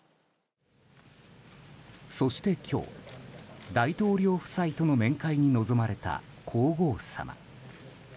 そして今日、大統領夫妻との面会に臨まれた皇后さま。